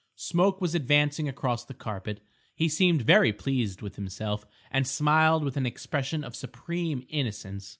Smoke was advancing across the carpet. He seemed very pleased with himself, and smiled with an expression of supreme innocence.